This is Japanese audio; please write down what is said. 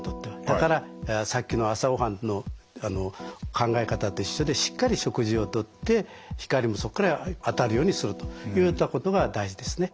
だからさっきの朝ごはんの考え方と一緒でしっかり食事をとって光もそこから当たるようにするといったことが大事ですね。